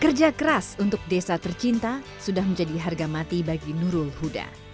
kerja keras untuk desa tercinta sudah menjadi harga mati bagi nurul huda